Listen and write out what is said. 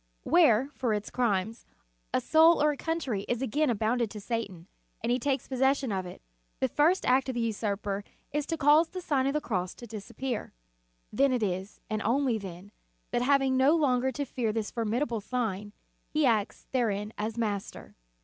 When, for its crimes, a soul or a country is again abandoned to Satan, and he takes possession of it, the first act of the usurper is to cause the Sign of the Cross to disappear. Then it is, and only then, that having no longer to fear this formidable sign, he acts therein as master.